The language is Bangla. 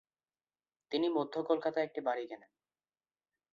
তিনি মধ্য কলকাতায় একটি বাড়ি কেনেন।